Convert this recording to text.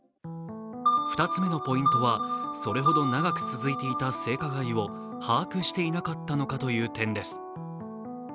２つ目のポイントは、それほど長く続いていた性加害を把握していなかったのかという点です。